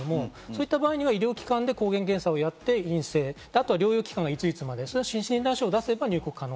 そういった場合、医療機関で抗原検査をやって陰性、後は療養期間がいついつまで、診断書を出せば入国可能。